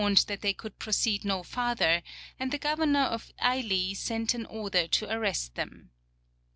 Here they were warned that they could proceed no farther, and the governor of Hi sent an order to arrest them.